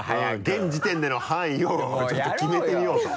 現時点での範囲をちょっと決めてみようと。